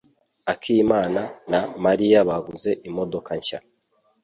Akimana na Mariya baguze imodoka nshya.